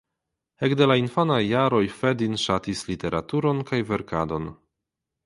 Ekde la infanaj jaroj Fedin ŝatis literaturon kaj verkadon.